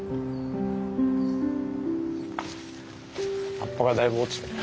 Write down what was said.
葉っぱがだいぶ落ちてる。